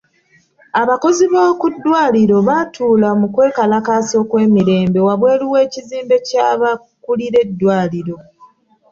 Abakozi b'okuddwaliro baatuula mu kwekalakaasa okw'emirembe wabweru w'ekizimbe ky'abakuulira eddwaliro.